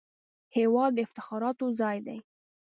هېواد د افتخاراتو ځای دی